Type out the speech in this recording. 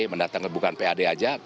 mendatangkan bukan pad saja